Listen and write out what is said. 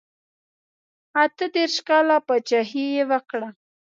اته دېرش کاله پاچهي یې وکړه.